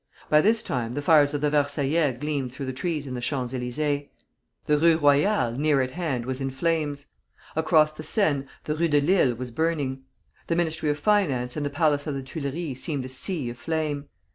By this time the fires of the Versaillais gleamed through the trees in the Champs Élysées. The Rue Royale, near at hand, was in flames. Across the Seine, the Rue de Lille was burning. The Ministry of Finance and the palace of the Tuileries seemed a sea of flame.